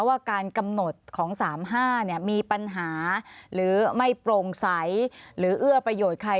ว่าการกำหนดของ๓๕มีปัญหาหรือไม่โปร่งใสหรือเอื้อประโยชน์ใคร